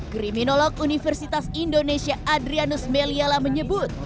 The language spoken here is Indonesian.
kriminolog universitas indonesia adrianus meliala menyebut